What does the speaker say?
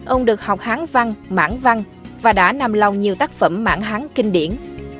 ông được học hán văn mãn văn và đã nằm lòng nhiều tác phẩm mãng hán kinh điển